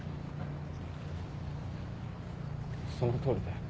そのとおりだよ。